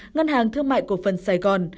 ngân hàng thương mại cộng phần sài gòn